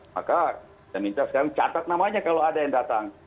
maka kita minta sekarang catat namanya kalau ada yang datang